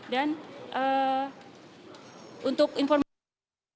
dan untuk informasi